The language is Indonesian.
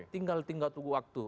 tinggal tunggu waktu